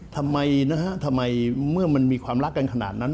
ทำไมนะฮะทำไมเมื่อมันมีความรักกันขนาดนั้น